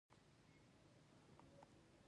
بوغارې يې وهلې.